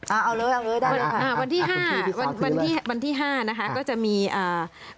อ่าเอาเลยเอาเลยได้เลยค่ะอ่าวันที่ห้าวันที่ห้านะคะก็จะมีอ่า